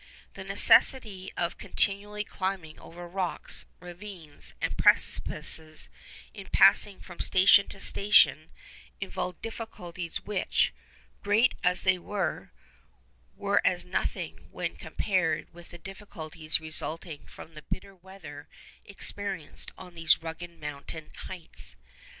The necessity of continually climbing over rocks, ravines, and precipices in passing from station to station involved difficulties which, great as they were, were as nothing when compared with the difficulties resulting from the bitter weather experienced on those rugged mountain heights.